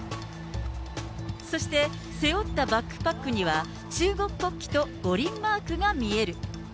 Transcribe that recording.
そして背負ったバッグパックには、中国国旗と五輪マークが見える。